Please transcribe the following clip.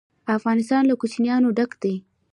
افغانستان له کوچیان ډک دی.